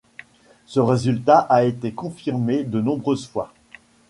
Ce résultat a été confirmé de nombreuses fois.